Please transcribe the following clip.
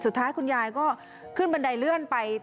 สุดท้ายคุณยายก็ขึ้นบันไดเลื่อนไป